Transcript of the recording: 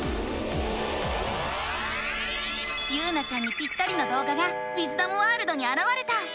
ゆうなちゃんにピッタリのどう画がウィズダムワールドにあらわれた！